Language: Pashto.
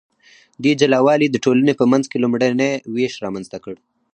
دې جلا والي د ټولنې په منځ کې لومړنی ویش رامنځته کړ.